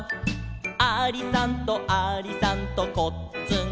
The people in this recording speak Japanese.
「ありさんとありさんとこっつんこ」